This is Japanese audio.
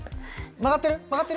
曲がってる？